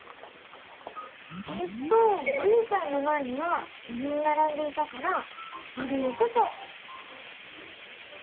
えっとマミちゃんのまえには５人ならんでいたからまるを５こ。